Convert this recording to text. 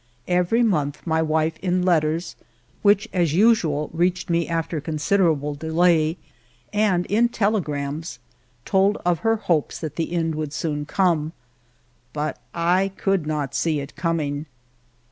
Every month my wife, in letters, which, as usual, reached me after con siderable delay, and in telegrams, told of her hopes that the end would soon come. But I could not see it coming.